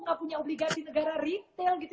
nggak punya obligasi negara retail gitu